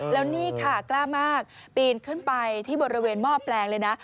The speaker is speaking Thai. แล้วนี่ค่ะกล้ามากปีนขึ้นไปที่บริเวณหม้อแปลงเลยนะ